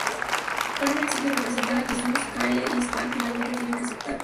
Cartman exige representar a Jesús, Kyle y Stan finalmente tienen que aceptar.